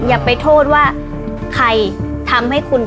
และนะคะใครทำให้คุณ